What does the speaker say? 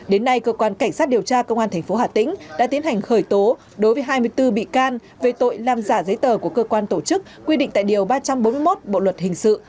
đến nay cơ quan cảnh sát điều tra công an tp hà tĩnh đã tiến hành khởi tố đối với hai mươi bốn bị can về tội làm giả giấy tờ của cơ quan tổ chức quy định tại điều ba trăm bốn mươi một bộ luật hình sự